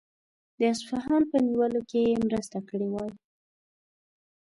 د اصفهان په نیولو کې یې مرسته کړې وای.